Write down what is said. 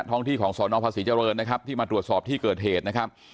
ท้องที่ของสนภาษีเจริญนะครับที่มาตรวจสอบที่เกิดเหตุนะครับ